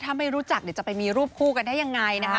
ถ้าไม่รู้จักจะไปมีรูปคู่กันได้ยังไง